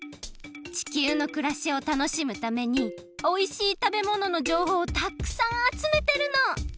地球のくらしを楽しむためにおいしいたべもののじょうほうをたっくさんあつめてるの！